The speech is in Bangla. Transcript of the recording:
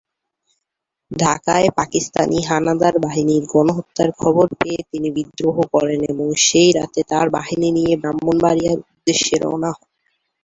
ঢাকায় পাকিস্তানি হানাদার বাহিনীর গণহত্যার খবর পেয়ে তিনি বিদ্রোহ করেন এবং সেই রাতে তার বাহিনী নিয়ে ব্রাহ্মণবাড়িয়ার উদ্দেশ্যে রওনা হন।